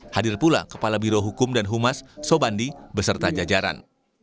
hadir pula kepala birohukum dan humas sobandi beserta jajaran